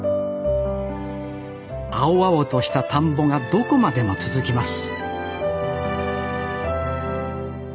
青々とした田んぼがどこまでも続きます